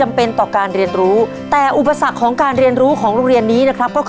เป็นเป็นเรื่องการเรียนรู้แต่อุปสรรคของเพราะปัจจุบันเทคโนโลยีเป็นส่วนหนึ่งของการใช้ชีวิต